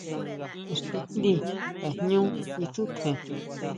Ixtindi tajñu isutjen.